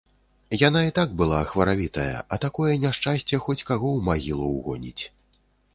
Яна і так была хваравітая, а такое няшчасце хоць каго ў магілу ўгоніць.